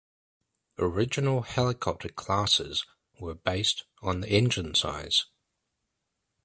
Original helicopter "classes" were based on the engine size.